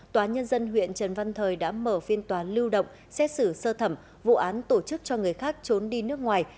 tòa nhân dân huyện trần văn thời đã mở phiên tòa lưu động xét xử sơ thẩm vụ án tổ chức cho người khác trốn đi nước ngoài